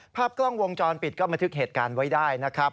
ภาพกล้องวงจรปิดก็บันทึกเหตุการณ์ไว้ได้นะครับ